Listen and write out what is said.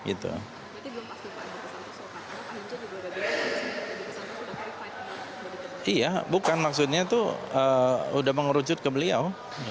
iya bukan maksudnya itu sudah mengerucut ke beliau